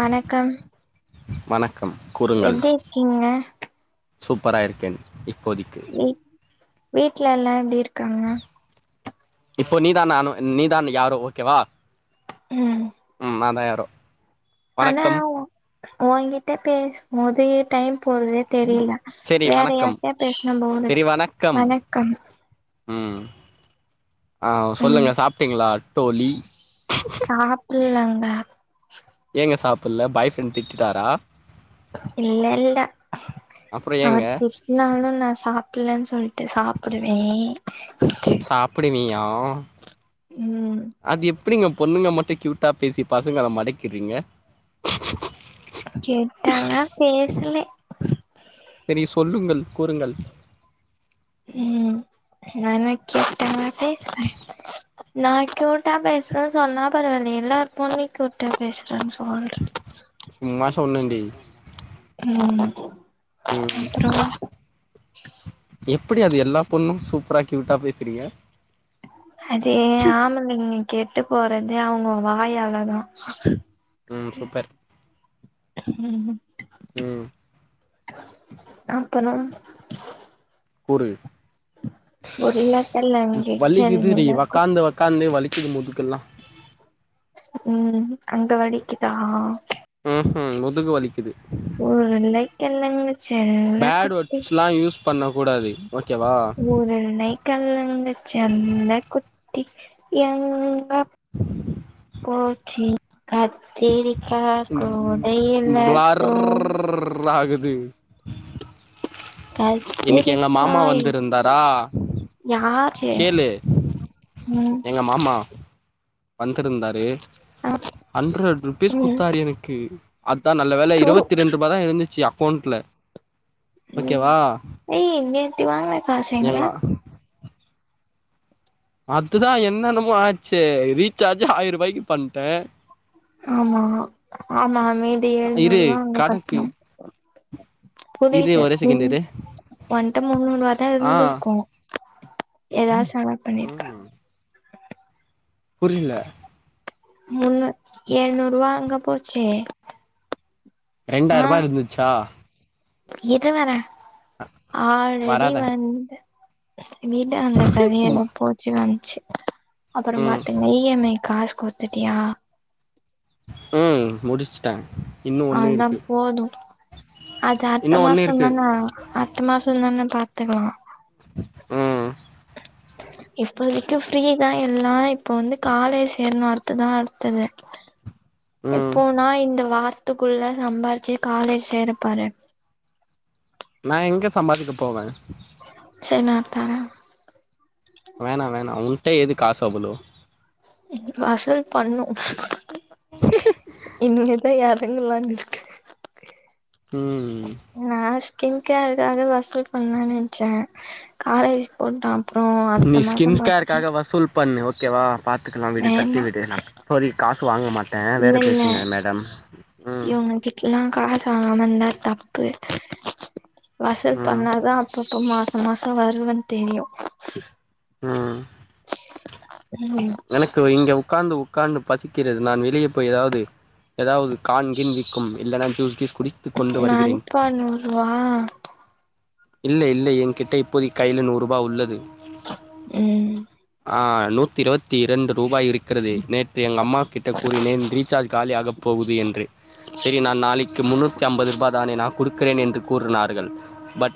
வணக்கம் வணக்கம் கூறுங்கள் எப்டி இருக்கீங்க சூப்பரா இருக்கேன் இப்போதிக்கு வீ வீட்ல எல்லா எப்டி இருக்காங்க இப்போ நீதா நானு நீ தான் யாரோ ஓகேவா ம் ம் நா தா யாரோ ஆனா வணக்கம் ஒ ஓங்கிட்ட பேசும்போது டைம் போறதே தெரில சரி வேற வணக்கம் யார்ட்யா பேசுனா போர் அடிக்குது வணக்கம் ம் ஆ ம் சொல்லுங்க சாப்ட்டிங்களா டோலி சாப்புட்லங்க ஏங்க சாப்புல்ல பாய் ஃப்ரெண்ட் திட்டிட்டாரா இல்ல இல்ல அப்புறோ ஏங்க அவர் என்ன ஆனாலு நா சாப்புல்லன்னு சொல்ட்டு சாப்புடுவே சாப்புடுவியா ம் அது எப் எப்டிங்க பொண்ணுங்க மட்டு கியூட்டா பேசி பசங்கள மடைக்கிறீங்க கியூட்டாலா பேசுலே செரி சொல்லுங்கள் கூறுங்கள் ம் நான கேட்ட [inaudible] நா கியூட்டா பேசுறேன் சொன்னா பரவால்ல எல்லா பொண்ணு கியூட்டா பேசுச்சு சொல்ற சும்மா சொன்னேடி ம் அப்றோ ம் எப்டி அது எல்லா பொண்ணு சூப்பரா கியூட்டா பேசுறீங்க அது ஆம்பளைங்க கெட்டு போறதே அவங்க வாயால தா ம் சூப்பர் ம் ம் அப்பனா கூறு உருளக்கெழங்கு வள்ளிக்குது டி செல்ல குட்டி வக்காந்து வக் காந்து வலிக்குது முதுகெல்லா ம் அங்க வலிக்குதா ம்ஹூம் முதுகு வலிக்குது உருளைக்கிழங்கு பேட் செல்லக்குட்டி வேர்ட்ஸ்லா யூஸ் பண்ண கூடாது ஓகேவா உருளைக் கெழங்கு செல்லக்குட்டி எங்க போச்சி கத்திரி பர் தூங் ஆகுது இன்னைக்கு எங்க கத்திரிக்கா மாமா வந்திருந்தாரா யாரு கேளு ம் எங்க மாமா வந்திருந்தாரு அ ஹண்ட்ரட் ருபீஸ் ம் குட்த்தார் எனுக்கு அத்தா நல்ல வேல தூ இருவத்தி ரெண்டு ரூபா தா இருந்துச்சு அக்கௌண்ட்ல ம் ஓகேவா ஏய் நேத்தி வாங்குன காசு எங்க அதுதா என்னன்னமோ ஆச்சே ரீசார்ஜ்ஜே ஆய்ர ரூபாய்க்கு பண்டே ஆமா ஆமாமீதி இரு எழுநூரூவா அங்க கணக்கு கட்டணு இரு புரியுது ஒரே செகண்ட் இரு ஒன்ட முன்னூரூவ தா ஆ இருந்திருக்கு எதாவது செலவு பண்ணிருப்ப புரியல முன்னூ எழுநூரூவா அங்க போச்சு ரெண்டாயிரூபா இருந்துச்சா இரு வரே ஆல்ரெடி வராத வந்து விடு அந்த கதய சும்மா எதோ போச்சு வந்ச்சு அப்புற ம் பாத்துங் இ எம் ஐ காஸ் குடுத்துட்டியா ம் முடிச்சுட்டெ அதா போது அது இன்னு அட்த்த ஒன்னு இருக்கு மாசதானே அட்த மாசந்தானே பாத்துக்கலா ம் இப்போதைக்கு ஃப்ரீதா எல்லா இப்ப வந்து காலேஜ் சேர்னு அடுத்துதா அடுத்தது ம் எப்போனா இந்த வார்த்துக்குள்ள சம்பாரிச்சு காலேஜ் சேறப்பாரு நா எங்க சம்பாரிக்க போவே சேரி நா தரே வேணா வேணா உண்டே ஏது காசு அவ்ளோ வசூல் பண்ணு இனிமேதா எறங்கலா இருக்கே ம் நா ஸ்கின் கேருகாக வசூல் பண்லானு நென்ச்சே காலேஜ் போட்டா அப்றொ நீ ஸ்கின் கேருக்காக வசூல் பண்ணு ஓகேவா பாத்துக்கலா விடு தட்டி வேணா விடு இப்போதைக் காசு வாங்க மாட் ட்டே இல்ல வேற இல்ல பேசுங்க மேடம் ம் சில்லா காசு ஆமந்தா தப்பு வசூல் ம் பண்ணா தா அப்பப்போ மாச மாசோ வருவன் தெரியு ம் ம் எனக்கு இங்க உக்காந்து உக்காந்து பசிக்கிறது நான் வெளியே போய் எதாவ்து எதாவ்து கான், கீன் விக்கும் இல்லனா ஜூஸ், கீஸ் குடித்து கொண்டு வருகிறேன் வா இல்லை இல்லை என்கிட்ட இப்போதைக் கைல நூர்ருபா உள்ளது ம் ஆ நூத்தி இருவத் தி இரண்டு ரூபாய் இருக்கறது நேற்று எங்க அம்மா கிட்ட கூறினேன் ரீசார்ஜ் காலியாகப் போகுது என்று சரி நா நாளைக்கு முன்னூத்தி அம்பது ரூபா தானே நா குடுக்கறேன் என்று கூறுனாருகள்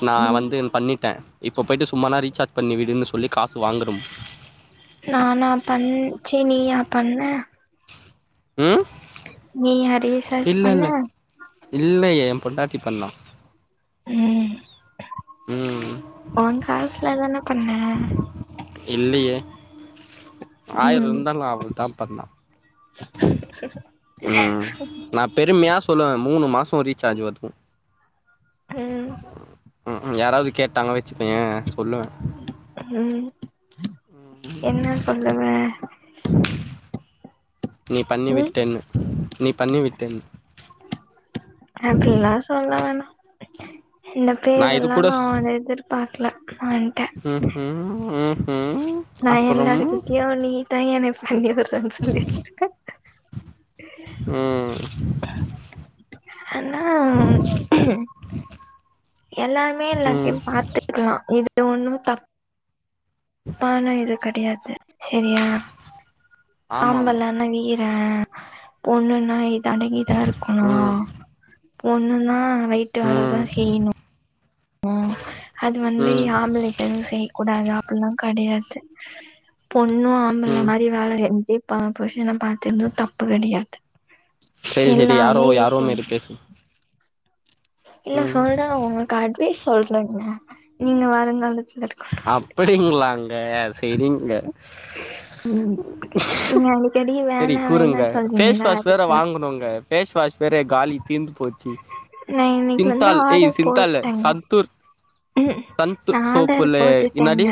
நா வந்து பண்ணிட்டே இப்போ போய்ட்டு சும்மா நா ரீசார்ஜ் பண்ணி விடுன்னு சொல்லி காசு வாங்கணும் நானா பண் சீ நீயா பண்ண ம் நீ அரியர்ஸ் இல்லல்ல இல்ல ஏ பொண்டாட்டி பண்ணா ம் ம் உ காஸ்ல தான பண்ண இல்லியே ம் ஆயர்ருந்தாலு அவ தா பண்ணா ம் நா பெருமையா சொல்லுவே மூணு மாசோ ரீசார்ஜு வரு ம் ம் ம் யாராவ்து கேட்டாங்க வெச்சுக்கோயே சொல்லுவே ம் ம் என்ன சொல்லுவ நீ பண்ணி ம் விட்டேன்னு நீ பண்ணி விட்டேன்னு அப்டில்லா சொல்ல வேணா இந்த நான் இது பேரெல்லா கூட நா உன்ட்ட எதிர்பாக்கல [unintelligible] வந்ட்டே ம் ம் ம் ம் நா எல்லாருக்கிட்டயு நீதா எனக் பண்ணி விட்றன் சொல்லி வெச்சிருக்கே ம் ஆனா எல்லாமே ம் எல்லாத்தையு பாத்துக்கலா இது ஒன்னு தப் பான இது கெடையாது செரியா ஆமாம் ஆம்பளன்னா நீயே [unintelligible] பொண்ணுன்னா இது அடங்கிதா இருக்கணு ம் பொண்ணுன்னா வீட்டு வேல தா ம் செய்யணு அது வந்து ம் ஆம்பளைட்ட எது செய்யக்கூடாது அப்பிட்லா கெடையாது பொண்ணு நம்மள ம் மாரி வேல செஞ்சுப்பா புருஷன பாத்துருந்து தப்பு கெடையாது சரி சரி யாரோ எல்லாமே யாரோ ஈக்கோல் மாரி பேசு இல்ல ம் சொல்றே உங்கள்க் அட்வைஸ் சொல்றங்க நீங்க வருங்காலத்துல இருக்கணுனு அப்படிங்ளாங்க செரிங்க நீங்க அடிக்கடி செரி வேணா கூறுங்க வேணான்னு ஃபேஸ் சொல்றீங்களா வாஷ் வேற அதுக்கு வாங்கணுங்க ஃபேஸ் வாஷ் வேற காலி தீந்து போச்சி நா இன்னைக்கு வந்து சிந்தால் ஏய் ஆர்டர் சிந்தால்ல போட்டேங்க சன்தூர் நா ஆடர் என்னாடி போட்டுட்டேங்க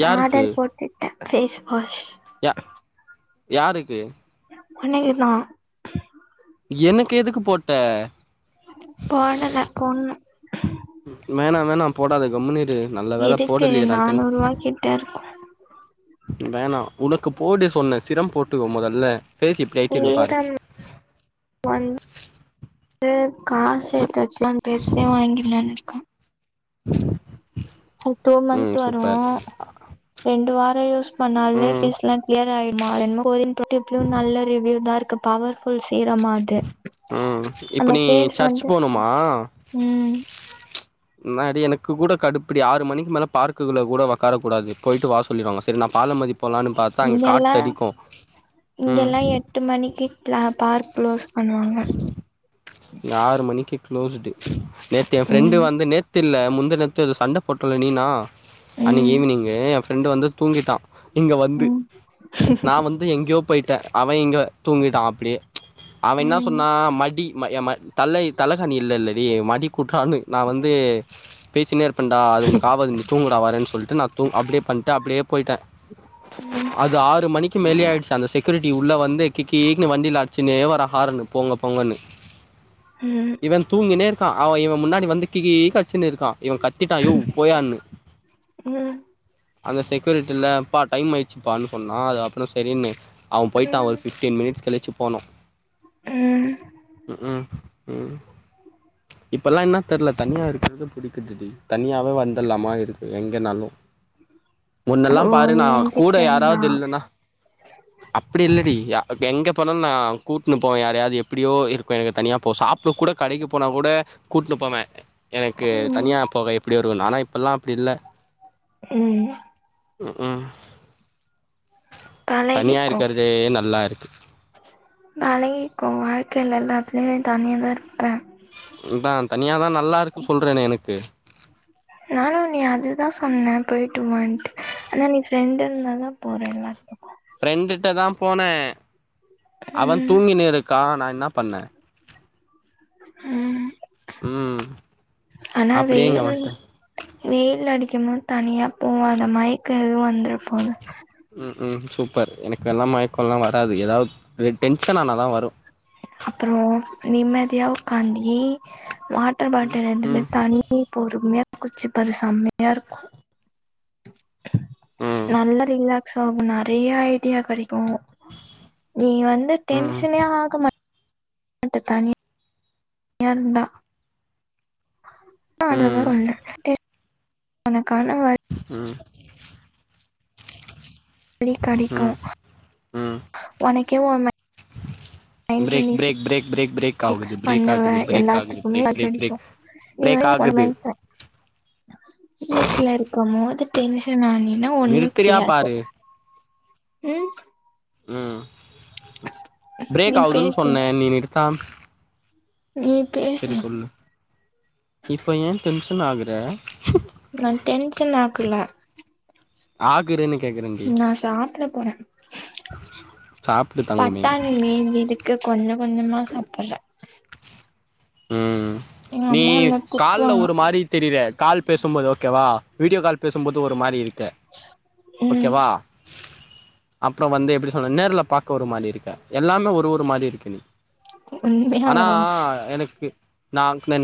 நா யாருக்கு ஆடர் போட் டுட்டே ஃபேஸ்வாஷ் யா யாருக்கு உனக்குதா எனக்கு எதுக்கு போட்ட போடல பொண்ணு வேணா வேணா போடாத கம்முனிரு நல்ல வேல போடலையே நான் டென் கிட்டருக்கு வேணா உனக்கு போடு சொன்ன சிரம் போட்டுக்க மொதல்ல ஃபேஸ் இப்டி ஆயிட்டு இருக்கு பாரு சீரம் வந் து காசு எடுத்து வச்சுட்லா பெருசே வாங்கிட்லானு இருக்க [inaudible] டூ மன்த் ம் வரு சூப்பர் ரெண்டு வாரம் யூஸ் பண்ணாலே ம் ஃபேஸ்லா க்ளியர் ஆயுடும்மா அதென்னமோ [unintelligible] ட்யூப்ம் நல்ல ரிவ்யூ தாருக்கு பவர்ஃபுல் சீரமா அது ம் இப்ப நம்ம நீ ஃபேஸ் சர்ச் வந்து போணுமா ம் முன்னாடி எனக்கு கூட கடுப்புடி ஆறு மணிக்கு மேல பார்க்குகுள்ள கூட ஒக்கார கூடாது போயிட்டு வா சொல்லிடுவாங்க சரி நான் பாலோமாதி போலாம்னு பாத்தா அங்க காத்து இங்கெல்லா அடிக்கு ம் இங்கெல்லா எட்டு மணிக்கு ப்ளா பார்க் க்ளோஸ் பண்ணுவாங்க ஆறு மணிக்கு க்ளோஸ்டு நேத்து என் ஃப்ரெண்டு ம் வந்து நேத் து இல்ல முந்தாநேத்து எதோ சண்ட போட்டல்ல நீ நா அன்னைக்கு ம் ஈவினிங்கு என் ஃப்ரெண்டு் வந்து தூங்கிட்டா இங்க வந்து ம் நா வந்து எங்கயோ போயிட்டே அவன் இங்க தூங்கிட்டா அப்டியே அவ என்ன ம் மடி ம ம தலை தலைக்கானி இல்ல இல்லலடி மடி குடுறான்னு நா வந்து பேசினே இருப்பன்டா அது உனக்கு ஆவாது நீ தூங்குடா வரேன் சொல்ட்டு நா தூ அப்டியே பண்ட்டு அப்டியே போயிட்டே உம் அது ஆறு மணிக்கு மேலே ஆயிடுச்சு அந்த செக்யூரிட்டி உள்ள வந்து கி கினு வண்டியில ஆடிச்சுன்னே வரா ஹாரணு போங்க போங்கன்னு ம் இவன் தூங்கினே இருக்கா அவா இவன் முன்னாடி வந்து கீகீனு அடிச்சின்னு இருக்கா இவன் கத்திட்டா யோவ் போயான்னு ம் அந்த செக்யூரிட்டில்ல ப்பா டைம் ஆய் வச்சுப்பான்னு சொன்னா அது அப்புறம் செரின்னு அவன் போய்ட்டா ஒரு ம் ஃபிஃப்டீன் மினிட்ஸ் கழிச்சு போனோ ம் ம்ம் ம் இப்போல்லா என்ன தெரில தனியா இருக்குறது புடிக்குதுடி தனியாவே வந்துட்லாமா இருக்கு எங்கனாலு முன்னெல்லா ஓ பாரு நா கூட என்கிட்டருந்தா யாராவது இல்லன்னா அப்டி இல்லடி யா எங்க போனாலு நா கூப்ட்டுனு போவே யாரையாவது எப்டியோ இருக்கு எனக்கு தனியா போ சாப்ட கூட கடைக்கு போனா கூட கூட்னு போவே எனக்கு ம் தனியா போக எப்படி வரு ஆனா இப்பல்லா அப்படி இல்ல உம் உம் தனியா பழகிக்கோ இருக்கிறதே நல்லா இருக்கு பழகிக்கோ வாழ்க்கையில எல்லாத்துலையுமே தனியா தா இருப்பே அதா தனியாதா நல்லா இருக்கு சொல்றனே எனக்கு நானும் நீ அதுதா சொன்னே போயிட்டு வான்ட்டு ஆனா நீ ஃப்ரெண்டுன்னு தான போறேன்ன ஃப்ரெண்டுட்ட தா போனே அவன் ம் தூங்கினு இருக்கா நா என்ன பண்ண உம் ம் ஆனா அப்படியே வெய் இங்க வந்துட்டேன் வெயில் அடிக்கும் போது தனியா போவாத மயக்கம் எதுவும் வந்துர போது ம் ம் சூப்பர் எனக்கு எல்லா மயக்கம்லாம் வராது ஏதாவது டென்ஷன் ஆனாதா வரும் அப்புறம் நிம்மதியா உக்காந்தி வாட்டர் ம் பாட்டில் எடுத்து ம் போய் தண்ணி பொறுமையா யோச்சி பாரு செமையா இருக்கும் ம் நல்ல ரீலா சோ அப்போ நறையா ஐடியா கெடைக்கோ நீ வந்து ம் டென்ஷனே ஆக மாட் வீட்டு தானே இருந்தா ஆ அந்த இதுதா ம் வந்த டேஸ்ட் அந்த கணவாய் உம் டெய்லியு கடைக்கோ ம் உனக்கே ஊ மே நைன்த்ல பிரேக் நீஃபி break break break break fix ஆகுது பிரேக் பண்ணுவே ஆகுது பிரேக் ஆகுது எல்லாத்துக்குமே பிரேக் அது பிரேக் கடிக்கோ பிரேக் பிரேக் ஆகுது [unintelligible] வீட்ல இருக்கும் போது டென்ஷன் ஆனினா ஒண்ணோ நிறுத்துறியா புரியாது பாரு ம் ம் பிரேக் நீ ஆவுதுன்னு பேசு சொன்னே நீ நிறுத்தாம நீ பேசு செரி சொல்லு இப்ப ஏ டென்ஷன் ஆகுற நா டென்ஷன் ஆக்குல ஆக்குற நீ நா சாப்பிட போறே சாப்டு தங்கமே பட்டாணி மீஞ்சிது கொஞ்ச கொஞ்சமா சாப்புடற ம் எங்க நீ அம்மா என்ன கால்ல திட்டுவாங்க ஒரு மாரி தெரிவ கால் பேசும்போது ஓகேவா வீடியோ கால் பேசும்போது ஒரு மாரி இருக்க ம் ஓகேவா அப்புறோ வந்து எப்டி சொல்ல நேர்ல பாக்க ஒரு மாரி இருக்க எல்லாமே ஒரு ஒரு மாரி இருக்கு நீ ஆனா உண்மையாவா எனக் கு நா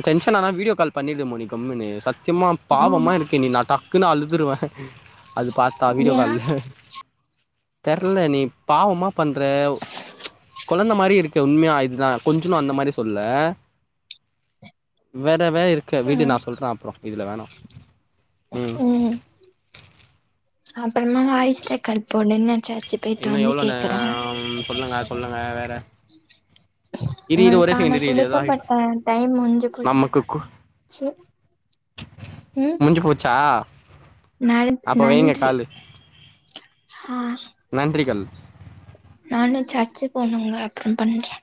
டென்ஷனானா வீடியோ கால் பண்ணிடு மோனி கம்முனு சத்தியமா ம் பாவமா இருக்கு நீ நா ட க்குனு அழுதுருவ அது பாத்தா வீடியோ ஏ கால்ல தெர்ல நீ பாவமா பண்ற கொழந்த மாரி இருக்க உண்மையா இது நா கொஞ்சனோ அந்த மாரி சொல்லல வேறவே இருக்க விடு நா ம் சொல்ற அப்புறோ இதுல வேணா ம் அப்பறமா வாயிஸ் ரெக்காட் போடு என்னாச்சி இன்னோ எவ்ளோ நே சொல்லுங்க சொல்லுங்க வேற இரு இரு ஒரே உங்குளுக்கான செகண்ட் இரு இரு எதோ ஆயிடுச்சு குடுக்கப்பட்ட டைம் முஞ்சி குத் நமக்கு கு செரி ம் முஞ்சு போச்சா நன் அப்ப வைங்க நன்றி காலு ஆ நன்றிகள் நானு சர்ச்சு போனங்க அப்றோ பண்றே